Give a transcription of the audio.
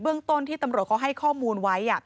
เรื่องต้นที่ตำรวจเขาให้ข้อมูลไว้